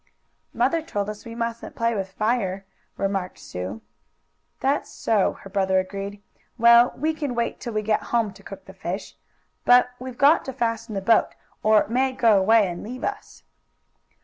"Mother told us we musn't play with fire," remarked Sue. "That's so," her brother agreed. "Well, we can wait till we get home to cook the fish. But we've got to fasten the boat, or it may go away and leave us."